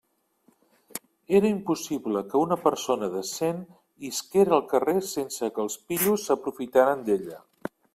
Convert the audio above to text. Era impossible que una persona decent isquera al carrer sense que els pillos s'aprofitaren d'ella.